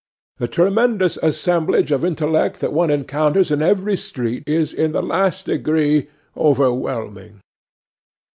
The tremendous assemblage of intellect that one encounters in every street is in the last degree overwhelming.